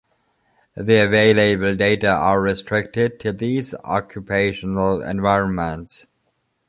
The available data are restricted to these occupational environments.